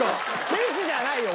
ケチじゃないよ。